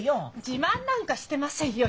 自慢なんかしてませんよ！